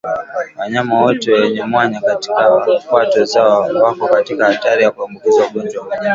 Wanyama wote wenye mwanya katika kwato zao wako katika hatari ya kuambukizwa ugonjwa huu